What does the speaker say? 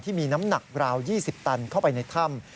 ที่มีน้ำหนักราว๒๐ตันเข้าไปในถ้ำ